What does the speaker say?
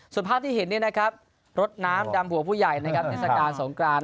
ส่วนภาพที่เห็นรถน้ำดำหัวผู้ใหญ่เทศกาลสงคราน